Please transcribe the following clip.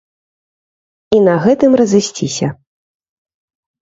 І на гэтым разысціся.